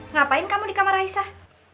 ngapain kamu di kamar raisa